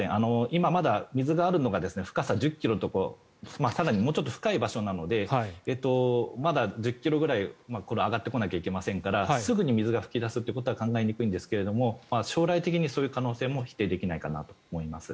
今まだ、水があるのが深さ１０ｋｍとか更にもうちょっと深い場所なのでまだ１０ｋｍくらい上がってこなければいけませんからすぐに水が噴き出すということは考えにくいんですが将来的にそういう可能性も否定できないかなと思います。